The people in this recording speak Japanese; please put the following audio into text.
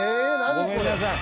ごめんなさい。